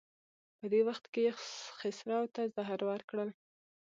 په دې وخت کې یې خسرو ته زهر ورکړل.